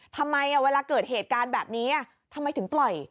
ทำไมเวลาเกิดเหตุการณ์แบบนี้ทำไมถึงปล่อย